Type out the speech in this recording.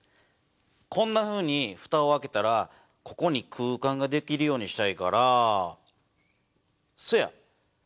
こんなふうにふたを開けたらここに空間ができるようにしたいからそうや。